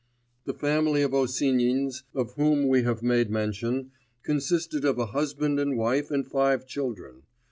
The family of Osinins, of whom we have made mention, consisted of a husband and wife and five children.